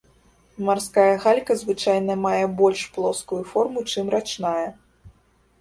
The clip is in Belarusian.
Марская галька звычайна мае больш плоскую форму, чым рачная.